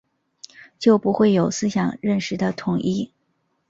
就不会有思想认识的统一